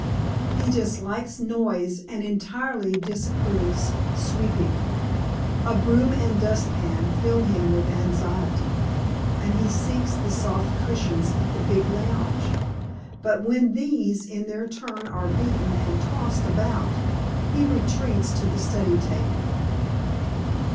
He dislikes noise, and entirely disapproves sweeping. A broom and dustpan fill him with anxiety, and he seeks the soft cushions of the big lounge; but when these in their turn are beaten and tossed about, he retreats to the study table.